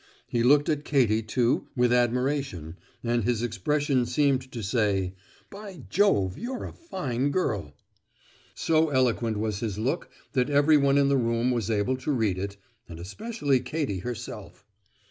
He looked at Katie too, with admiration, and his expression seemed to say. "By Jove, you're a fine girl!" So eloquent was his look that everyone in the room was able to read it, and especially Katie herself.